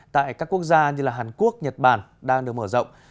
tại các quốc gia như hàn quốc nhật bản đang được mở rộng